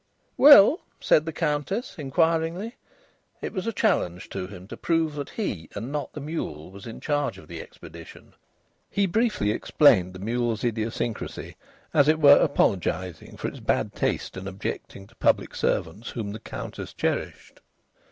"Well?" said the Countess, inquiringly. It was a challenge to him to prove that he and not the mule was in charge of the expedition. He briefly explained the mule's idiosyncrasy, as it were apologising for its bad taste in objecting to public servants whom the Countess cherished.